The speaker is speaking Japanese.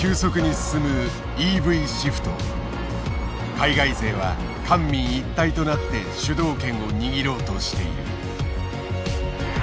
海外勢は官民一体となって主導権を握ろうとしている。